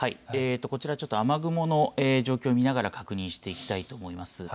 こちらちょっと雨雲の状況を見ながら確認していきたいと思います。